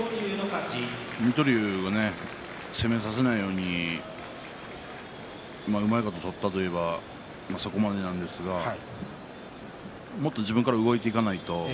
水戸龍は攻めさせないようにうまいこと取ったといえばそこまでなんですがもっと自分から動いていかないと。